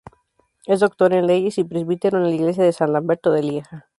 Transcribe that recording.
Es doctor en leyes y presbítero en la iglesia de San Lamberto de Lieja.